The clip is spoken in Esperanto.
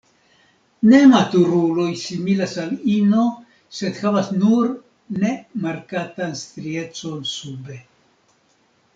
Nematuruloj similas al ino, sed havas nur ne markatan striecon sube.